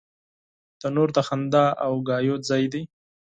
تنور د خندا او خبرو ځای دی